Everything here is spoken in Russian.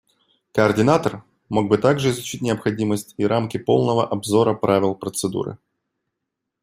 Координатор мог бы также изучить необходимость и рамки полного обзора правил процедуры.